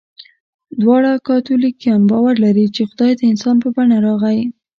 دواړه کاتولیکان باور لري، چې خدای د انسان په بڼه راغی.